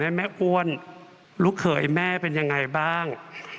แม่อ้วนลูกเขยแม่เป็นยังไงบ้าง